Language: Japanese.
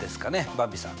ばんびさん。